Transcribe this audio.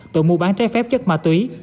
tội mua bán trái phép chất ma túy